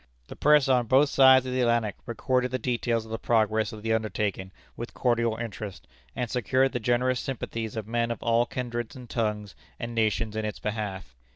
The press on both sides of the Atlantic recorded the details of the progress of the undertaking with cordial interest, and secured the generous sympathies of men of all kindreds and tongues and nations in its behalf.